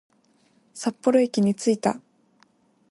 札幌駅に着いた